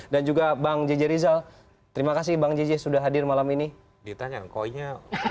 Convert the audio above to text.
dan juga bang jj rizal terima kasih bang jj sudah hadir malam ini ditanya koinnya